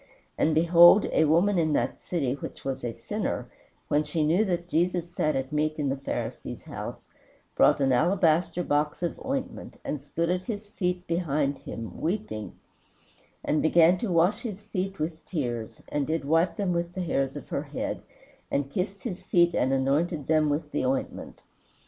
And behold a woman in that city which was a sinner, when she knew that Jesus sat at meat in the Pharisee's house, brought an alabaster box of ointment, and stood at his feet behind him, weeping, and began to wash his feet with tears, and did wipe them with the hairs of her head, and kissed his feet and anointed them with the ointment.